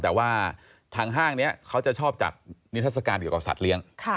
แต่ว่าทางห้างนี้เขาจะชอบจัดนิทัศกาลเกี่ยวกับสัตว์เลี้ยง